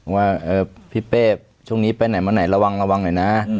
ว่าพี่เป้ช่วงนี้ไปไหนมาไหนระวังระวังหน่อยนะ